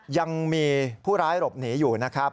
ยังมีผู้ร้ายหลบหนีอยู่นะครับ